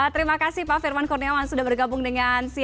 terima kasih pak firman kurniawan sudah bergabung dengan kita